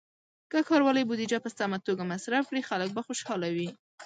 که ښاروالۍ بودیجه په سمه توګه مصرف کړي، خلک به خوشحاله وي.